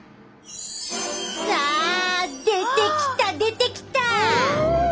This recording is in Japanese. さあ出てきた出てきた！